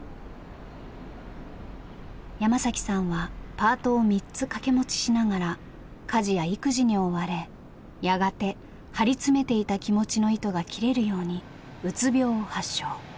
山さんはパートを３つ掛け持ちしながら家事や育児に追われやがて張り詰めていた気持ちの糸が切れるようにうつ病を発症。